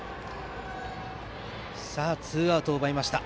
ツーアウト、奪いました。